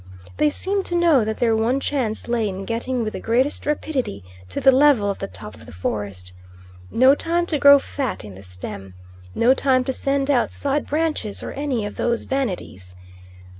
They seemed to know that their one chance lay in getting with the greatest rapidity to the level of the top of the forest. No time to grow fat in the stem. No time to send out side branches, or any of those vanities.